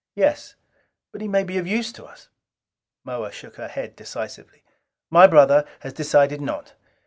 "Yes." "But he may be of use to us." Moa shook her head decisively. "My brother has decided not.